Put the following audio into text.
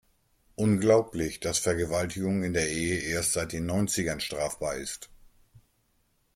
Unglaublich, dass Vergewaltigung in der Ehe erst seit den Neunzigern strafbar ist.